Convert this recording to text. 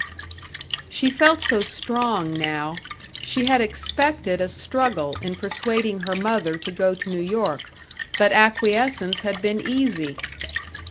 She felt so strong now she had expected a struggle in persuading her mother to go to New York, but acquiescence had been easy.